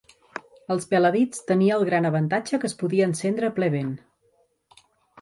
El peladits tenia el gran avantatge que es podia encendre a ple vent